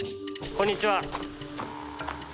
こんにちは。